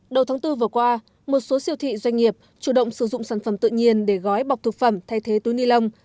đầu tháng bốn vừa qua một số siêu thị doanh nghiệp chủ động sử dụng sản phẩm tự nhiên để gói bọc thực phẩm thay thế túi ni lông